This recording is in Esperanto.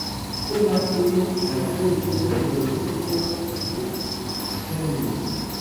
Temas pri la plej suda provinco de Kenjo.